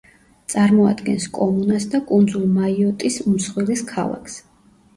წარმოადგენს კომუნას და კუნძულ მაიოტის უმსხვილეს ქალაქს.